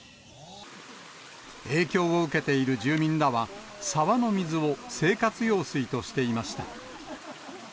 影響を受けている住民らは、沢の水を生活用水としていました。